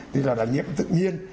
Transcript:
thì là đã nhiễm tự nhiên